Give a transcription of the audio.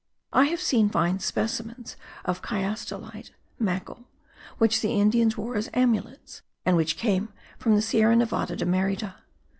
I have seen fine specimens of the chiastolite (macle) which the Indians wore as amulets and which came from the Sierra Nevada de Merida.